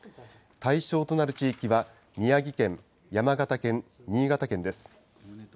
対象となる地域は、宮城県、山形県、新潟県です。